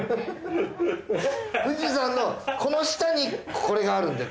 富士山のこの下にこれがあるんだよ